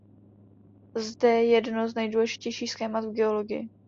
Jde jedno z nejdůležitějších schémat v geologii.